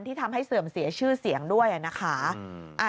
ทำให้เสื่อมเสียชื่อเสียงด้วยนะคะ